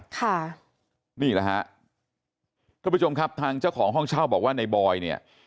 ค่ะนี่แหละฮะท่านผู้ชมครับทางเจ้าของห้องเช่าบอกว่าในบอยเนี่ย